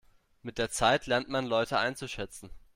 Mit der Zeit lernt man Leute einzuschätzen.